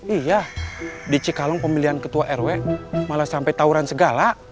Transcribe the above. iya di cikalong pemilihan ketua rw malah sampai tawuran segala